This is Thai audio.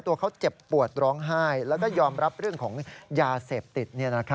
ตัวเขาเจ็บปวดร้องไห้แล้วก็ยอมรับเรื่องของยาเสพติด